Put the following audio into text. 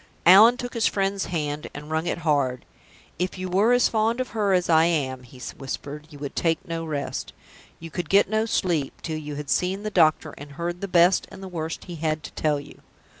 Allan took his friend's hand and wrung it hard. "If you were as fond of her as I am," he whispered, "you would take no rest, you could get no sleep, till you had seen the doctor, and heard the best and the worst he had to tell you.